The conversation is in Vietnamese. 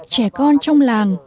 trẻ con trong làng